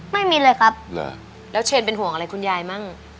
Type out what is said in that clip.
ไม่มีเลยครับแล้วเชนเป็นห่วงอะไรคุณยายมั่ง